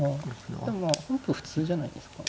でもまあ本譜普通じゃないですか。